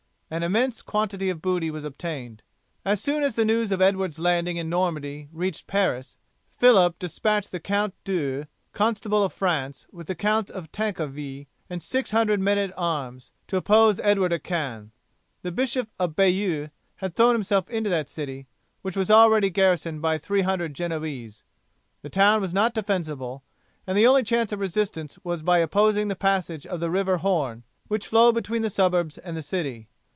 An immense quantity of booty was obtained. As soon as the news of Edward's landing in Normandy reached Paris, Phillip despatched the Count d'Eu, Constable of France, with the Count of Tankerville and 600 men at arms, to oppose Edward at Caen. The Bishop of Bayeux had thrown himself into that city, which was already garrisoned by 300 Genoese. The town was not defensible, and the only chance of resistance was by opposing the passage of the river Horn, which flowed between the suburbs and the city.